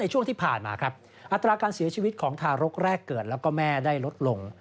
ช่วงที่ผ่านมาครับอัตราการเสียชีวิตของทารกแรกเกิดแล้วก็แม่ได้ลดลง